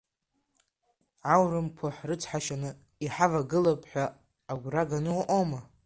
Аурымқәа ҳрыцҳашьаны иҳавагылап ҳәа агәра ганы уҟоума?